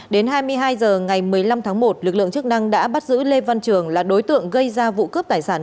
đến hai mươi hai h ngày một mươi năm tháng một lực lượng chức năng đã bắt giữ lê văn trường là đối tượng gây ra vụ cướp tài sản